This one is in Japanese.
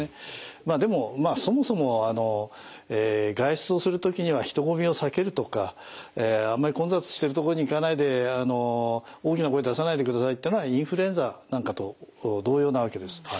まあでもそもそも外出をする時には人混みを避けるとかあんまり混雑してるとこに行かないで大きな声出さないでくださいってのはインフルエンザなんかと同様なわけです。